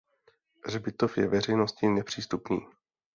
Hřbitov je veřejnosti nepřístupný.